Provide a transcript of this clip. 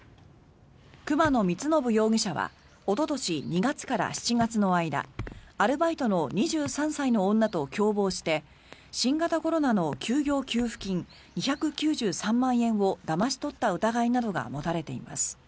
熊野光伸容疑者はおととし２月から７月の間アルバイトの２３歳の女と共謀して新型コロナの休業給付金２９３万円をだまし取った疑いなどが持たれています。